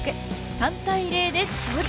３対０で勝利。